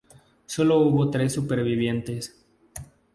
Sólo hubo tres supervivientes.